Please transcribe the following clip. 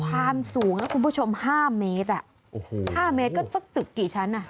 ความสูงนะคุณผู้ชม๕เมตรอ่ะโอ้โหห้าเมตรก็สักตึกกี่ชั้นอ่ะ